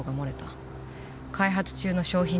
開発中の商品